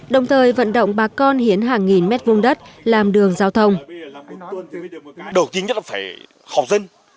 đồng thời vận động bà con hiến hàng nghìn mét vung đất làm đường giao thông